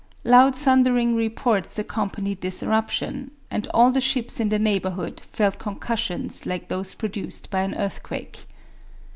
Loud thundering reports accompanied this eruption, and all the ships in the neighborhood felt concussions like those produced by an earthquake.